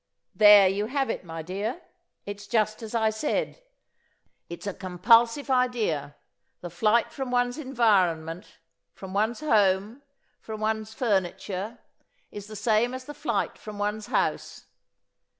"There you have it, my dear. It's just as I said: It's a compulsive idea. The flight from one's environment, from one's home, from one's furniture, is the same as the flight from one's house.